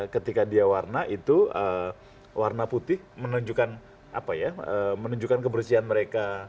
ketika dia warna itu warna putih menunjukkan apa ya menunjukkan kebersihan mereka